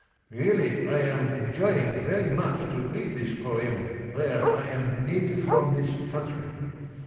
Really I am enjoying very much to read this poeme there I am Native from this Country.